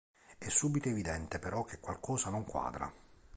È subito evidente però che qualcosa non quadra.